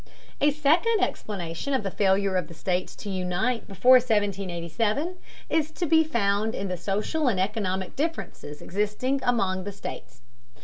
A second explanation of the failure of the states to unite before 1787 is to be found in the social and economic differences existing among the states.